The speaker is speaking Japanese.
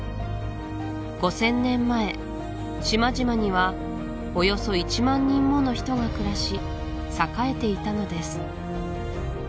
５０００年前島々にはおよそ１万人もの人が暮らし栄えていたのです